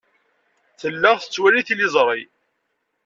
Tella tettwali tiliẓri.